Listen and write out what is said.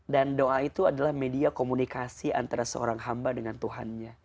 dan doa itu adalah media komunikasi antara seorang hamba dengan tuhannya